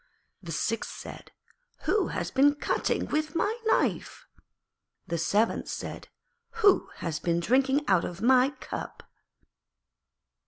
The sixth said, 'Who has been cutting with my knife?' The seventh said, 'Who has been drinking out of my cup?'